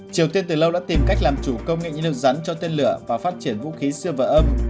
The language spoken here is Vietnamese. triều tiên từ lâu đã tìm cách làm chủ công nghệ nhiên hiệu rắn cho tên lửa và phát triển vũ khí siêu vật âm